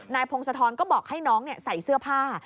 พงศธรก็บอกให้น้องใส่เสื้อผ้า